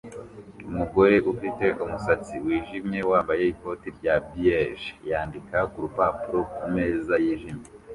Umugore ufite umusatsi wijimye wambaye ikoti rya beige yandika kurupapuro kumeza yijimye